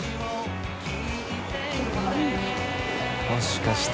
もしかして。